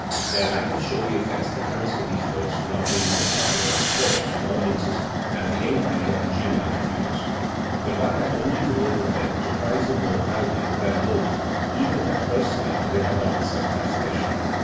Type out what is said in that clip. Their lack of showy effects accounts for these works not being so popular with players and audiences as the A minor and G minor fugues. But one has only to live with them to prize them more highly than those, even if at first sight they have not the same fascination.